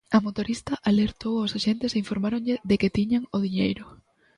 A motorista alertou aos axentes e informáronlle de que tiñan o diñeiro.